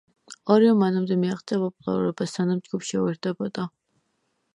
ორივემ მანამდე მიაღწია პოპულარობას, სანამ ჯგუფს შეუერთდებოდა.